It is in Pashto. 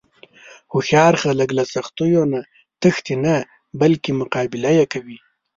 هوښیار خلک له سختیو نه تښتي نه، بلکې مقابله یې کوي.